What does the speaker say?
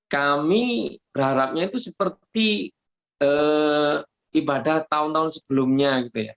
kami berharapnya itu seperti ibadah tahun tahun sebelumnya